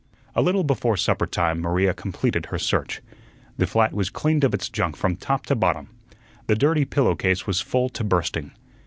A little before supper time Maria completed her search. The flat was cleaned of its junk from top to bottom. The dirty pillow case was full to bursting.